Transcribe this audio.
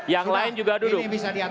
yang lain juga duduk